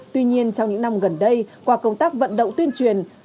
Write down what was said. tuy nhiên trong những năm gần đây qua công tác vận động tuyên truyền